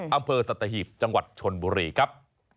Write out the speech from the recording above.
อำเภอสัตหีบจังหวัดชนบุรีครับ